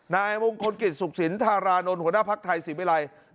นายมงคลกิตสุขศีนทารานนท์หัวหน้าพักไทยสีเวลัย